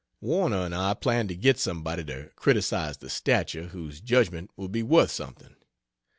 Warner and I planned to get somebody to criticise the statue whose judgment would be worth something.